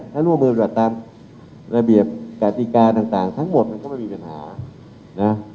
ถ้าร่วมมึงตามระเบียบกติกาต่างทั้งหมดมันก็ไม่มีปัญหา